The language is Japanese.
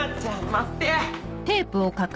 待って！